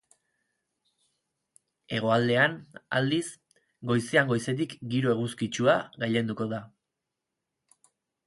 Hegoaldean, aldiz, goizean goizetik giro eguzkitsua gailenduko da.